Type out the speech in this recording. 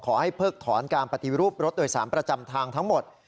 เพิกถอนการปฏิรูปรถโดยสารประจำทางทั้งหมด